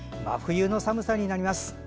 真冬の寒さになります。